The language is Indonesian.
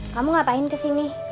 kamu ngapain kesini